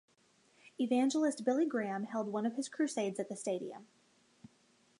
Evangelist Billy Graham held one of his crusades at the stadium.